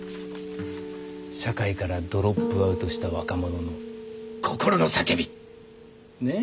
社会からドロップアウトした若者の心の叫び！ね？